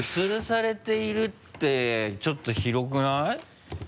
「吊されている」ってちょっと広くない？